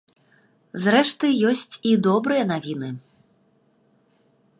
Зрэшты, ёсць і добрыя навіны.